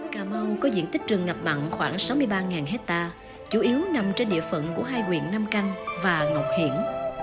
cà mau có diện tích trường ngập mặn khoảng sáu mươi ba hectare chủ yếu nằm trên địa phận của hai quyện nam căng và ngọc hiển